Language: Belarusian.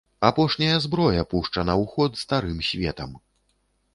Апошняя зброя пушчана ў ход старым светам.